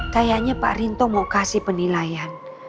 kayaknya pak rinto mau kasih penilaian